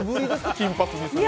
金髪にするの。